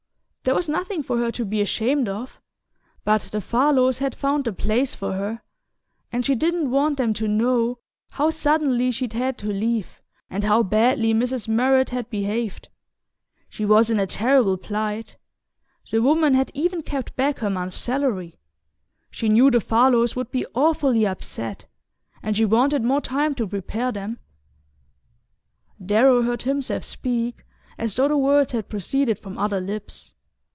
There was nothing for her to be ashamed of. But the Farlows had found the place for her, and she didn't want them to know how suddenly she'd had to leave, and how badly Mrs. Murrett had behaved. She was in a terrible plight the woman had even kept back her month's salary. She knew the Farlows would be awfully upset, and she wanted more time to prepare them." Darrow heard himself speak as though the words had proceeded from other lips.